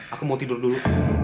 aku mau tidur dulu